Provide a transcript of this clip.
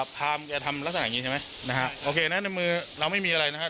พามแกทำลักษณะอย่างนี้ใช่ไหมนะฮะโอเคนะในมือเราไม่มีอะไรนะครับ